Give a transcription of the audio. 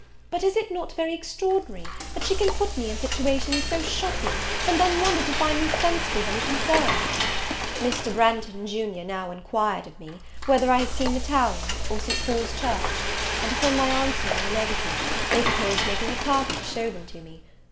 But, is it not very extraordinary, that she can put me in situations so shocking, and then wonder to find me sensible of any concern? Mr. Branghton junior now inquired of me, whether I had seen the Tower, or St. Paul's church? and upon my answering in the negative, they proposed making a party to shew them to me.